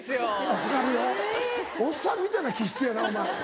分かるよおっさんみたいな気質やなお前。